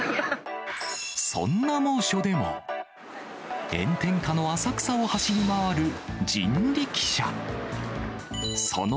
そんな猛暑でも、炎天下の浅草を走り回る人力車。